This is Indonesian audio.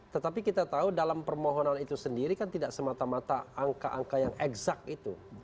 tetapi kita tahu dalam permohonan itu sendiri kan tidak semata mata angka angka yang eksak itu